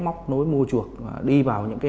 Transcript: móc nối mua chuộc và đi vào những cái